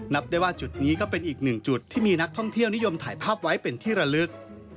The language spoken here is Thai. นับได้ว่าจุดนี้ก็เป็นอีกหนึ่งจุดที่มีนักท่องเที่ยวนิยมถ่ายภาพไว้เป็นที่ระลึก